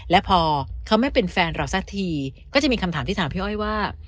และพอเขาไม่เป็นแฟนเราสักทีก็จะมีคำถามที่ถามพี่อ้อยว่า